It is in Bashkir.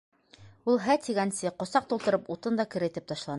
Ул һә тигәнсе, ҡосаҡ тултырып, утын да керетеп ташланы.